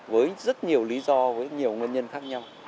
với rất nhiều lý do với nhiều nguyên nhân khác nhau